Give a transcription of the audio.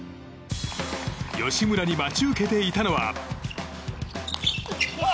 吉村に待ち受けていたのは。